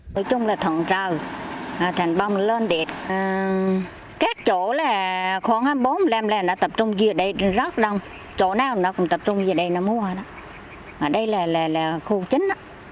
nói chung là thận rào thành bông lên đẹp các chỗ khoảng hai mươi bốn hai mươi năm là nó tập trung dưới đây rất đông chỗ nào nó cũng tập trung dưới đây nó mua ở đây là khu chính